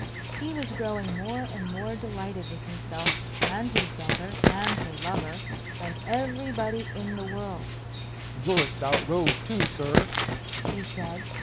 He was growing more and more delighted with himself and his daughter and her lover and everybody in the world. "And you're a stout rogue, too, sir," he said.